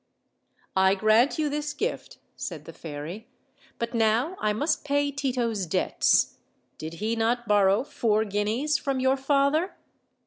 "I grant you this gift," said the fairy; "but now I must pay Tito's debts. Did he not borrow four guineas from your father?"